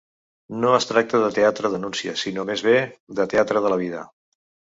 No es tracta de teatre denúncia, sinó més bé de teatre de la vida.